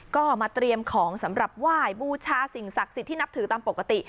ก็มาเตรียมของสำหรับไหว้บูชาสิ่งศักดิ์สิทธิ์ที่นับถือตามปกติ